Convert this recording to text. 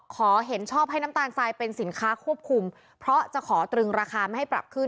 เห็นชอบให้น้ำตาลทรายเป็นสินค้าควบคุมเพราะจะขอตรึงราคาไม่ให้ปรับขึ้น